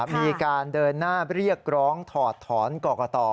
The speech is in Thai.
มีการเดินหน้าเรียกร้องถอดถอนกรกต